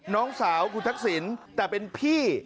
น้องสาวคุณทักษิณแต่เป็นพี่